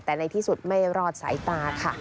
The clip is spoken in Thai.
แต่ในที่สุดไม่รอดสายตาค่ะ